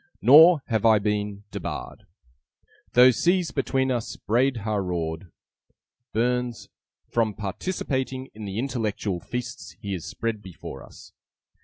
Nor have I been debarred, Though seas between us braid ha' roared, (BURNS) from participating in the intellectual feasts he has spread before us.